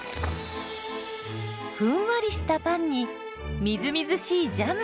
ふんわりしたパンにみずみずしいジャム。